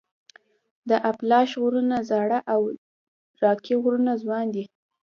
د اپلاش غرونه زاړه او راکي غرونه ځوان دي.